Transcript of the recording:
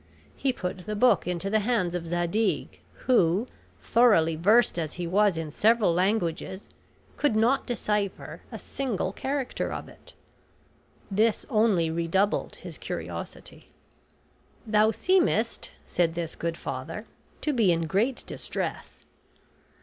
He put the book into the hands of Zadig, who, thoroughly versed as he was in several languages, could not decipher a single character of it. This only redoubled his curiosity. "Thou seemest," said this good father, "to be in great distress."